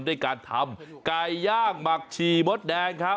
ด้วยการทำไก่ย่างหมักฉี่มดแดงครับ